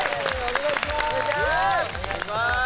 お願いします。